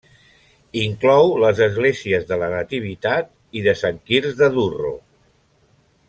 Inclou les esglésies de la Nativitat i de Sant Quirc de Durro.